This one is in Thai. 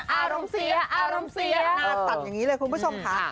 อารมณ์เสียอารมณ์เสียอารมณ์เสียตัดอย่างงี้เลยคุณผู้ชมค่ะ